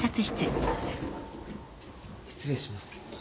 失礼します。